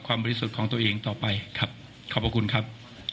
บริสุทธิ์ของตัวเองต่อไปครับขอบพระคุณครับ